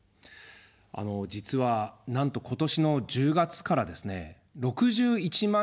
実は、なんと今年の１０月からですね、６１万